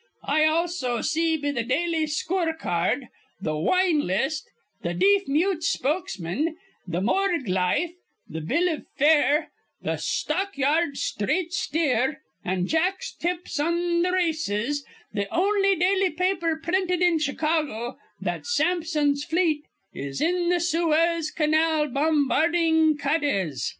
I also see be th' Daily Scoor Card, th' Wine List, th' Deef Mute's Spokesman, th' Morgue Life, the Bill iv Fare, th' Stock Yards Sthraight Steer, an' Jack's Tips on th' Races, the on'y daily paper printed in Chicago, that Sampson's fleet is in th' Suez Canal bombarding Cades.